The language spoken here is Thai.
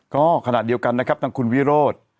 ก็ขณะเดียวกันนะครับทางคุณวิโรธ